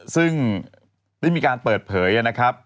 ซึ่งได้มีการเปิดเผยนะครับ